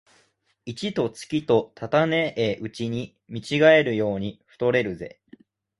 一と月とたたねえうちに見違えるように太れるぜ